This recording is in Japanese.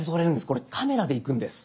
これカメラでいくんです。